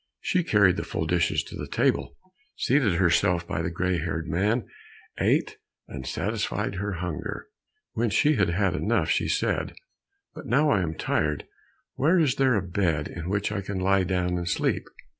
She carried the full dishes to the table, seated herself by the gray haired man, ate and satisfied her hunger. When she had had enough, she said, "But now I am tired, where is there a bed in which I can lie down, and sleep?"